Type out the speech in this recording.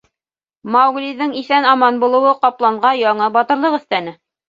Мауглиҙың иҫән-аман булыуы ҡапланға яңы батырлыҡ өҫтәне.